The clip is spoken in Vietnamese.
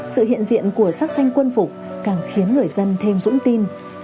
sự hiện diện của sắc xanh quân phục càng khiến người dân thêm vững tin